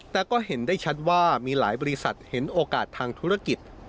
แต่ก็เห็นได้ชัดว่ามีหลายบริษัทเห็นโอกาสทางธุรกิจ